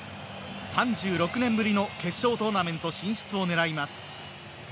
３６年ぶりの決勝トーナメント進出を狙います。